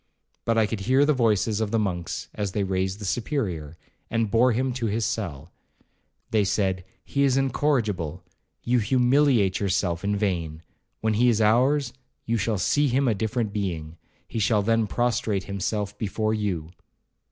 But I could hear the voices of the monks as they raised the Superior, and bore him to his cell. They said, 'He is incorrigible—you humiliate yourself in vain—when he is ours, you shall see him a different being—he shall then prostrate himself before you.'